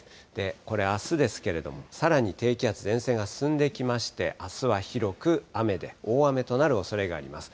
これ、あすですけれども、さらに低気圧、前線が進んできまして、あすは広く雨で、大雨となるおそれがあります。